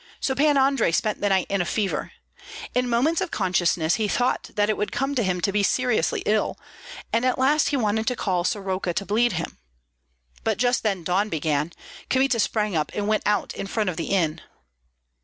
So Pan Andrei spent the night in a fever. In moments of consciousness he thought that it would come to him to be seriously ill, and at last he wanted to call Soroka to bleed him. But just then dawn began; Kmita sprang up and went out in front of the inn.